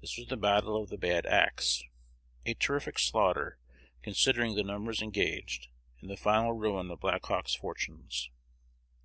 This was the battle of the Bad Axe, a terrific slaughter, considering the numbers engaged, and the final ruin of Black Hawk's fortunes.